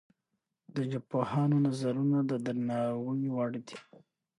د ژبپوهانو نظرونه د درناوي وړ دي.